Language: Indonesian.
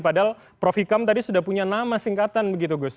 padahal prof ikam tadi sudah punya nama singkatan begitu gus